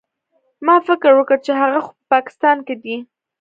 ما فکر وکړ چې هغه خو په پاکستان کښې دى.